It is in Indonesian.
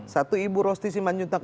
satu ibu rosti simanjuntak